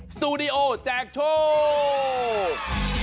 สตูดิโอแจกโชค